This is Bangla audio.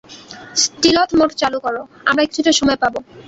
স্টিলথ মোড চালু করো, আমরা কিছুটা সময় পাবো।